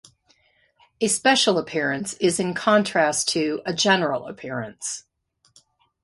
A "special appearance" is in contrast to a "general appearance".